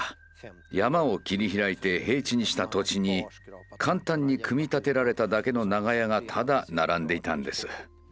山を切り開いて平地にした土地に簡単に組み立てられただけの長屋がただ並んでいたんです。